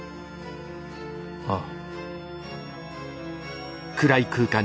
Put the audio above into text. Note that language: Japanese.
ああ。